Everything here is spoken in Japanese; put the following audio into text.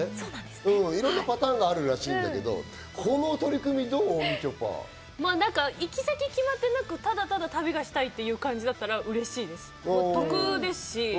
いろんなパターンがあるらしいんだけど、行き先が決まってなく、ただただ旅がしたいっていう感じだったらうれしいです、得ですし。